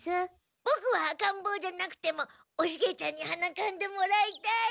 ボクは赤んぼうじゃなくてもおシゲちゃんにはなかんでもらいたい！